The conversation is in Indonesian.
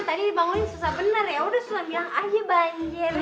bener ya udah susana bilang aja bang jer